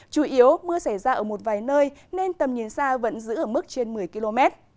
chủ yếu mưa xảy ra ở một vài nơi nên tầm nhìn xa vẫn giữ ở mức trên một mươi km